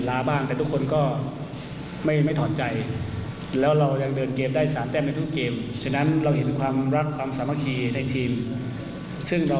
แล้วก็ร่วงใจแล้วก็รู้สึกดีใจครับที่เก็บสามแท่มสำคัญแล้วก็ที่สำคัญคือเป็นสามแท่มแล้วทำให้เราได้๙แท่มในรอบแรม